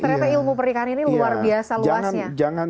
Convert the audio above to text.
ternyata ilmu pernikahan ini luar biasa luasnya